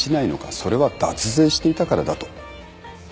それは脱税していたからだと。